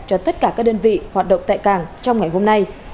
cho tất cả các đơn vị hoạt động tại cảng trong ngày hôm nay